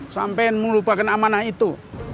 sampean melupakan amanah itu